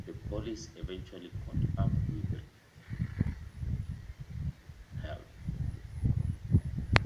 The police eventually caught up with Wren who went to Gaunson for help.